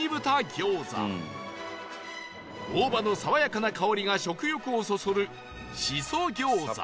大葉の爽やかな香りが食欲をそそる